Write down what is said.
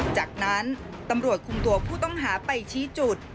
จากนั้นตำรวจคุมตัวผู้ต้องหาไปชี้จุด